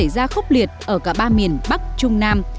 ra khốc liệt ở cả ba miền bắc trung nam